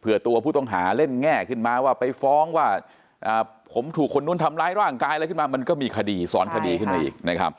เพื่อตัวผู้ต้องหาเล่นแง่ขึ้นมาว่าไปฟ้องว่าผมถูกคนนู้นทำร้ายร่างกายอะไรขึ้นมามันก็มีคดีสอนคดีขึ้นมาอีกนะครับ